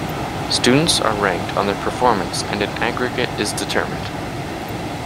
Students are ranked on their performance and an aggregate is determined.